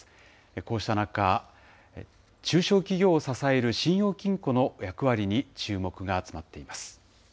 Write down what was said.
こうした中、中小企業を支える信用金庫の役割に注目が集まっています。